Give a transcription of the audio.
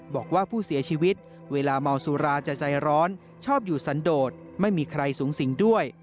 บอกว่าผู้เสียชีวิตเวลาเมาสุราจะใจร้อนชอบอยู่สันโดดไม่มีใครสูงสิงด้วย